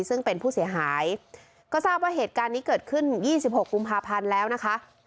ซึ่งเป็นผู้เสียหายก็ทราบว่าเหตุการณ์นี้เกิดขึ้น๒๖กุมภาพันธ์แล้วนะคะ